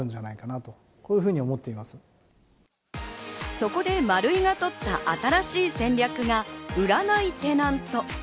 そこでマルイがとった新しい戦略が売らないテナント。